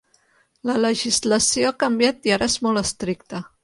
La legislació ha canviat i ara és molt estricta.